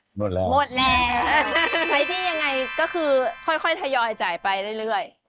หมดแล้วใช้หนี้อย่างไรก็คือค่อยทยอยจ่ายไปเรื่อย